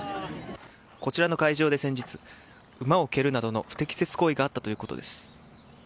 こちらの会場で先日馬を蹴るなどの不適切行為があったということです。